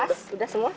pas udah semua